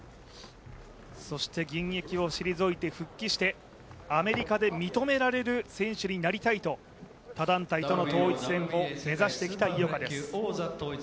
そして現役を退いて復帰してアメリカで認められる選手になりたいと他団体との統一選を目指してきた井岡です。